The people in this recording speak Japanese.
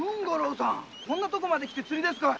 こんな所まで来て釣りですかい？